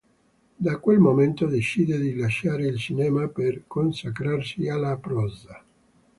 Da quel momento decide di lasciare il cinema per consacrarsi alla prosa.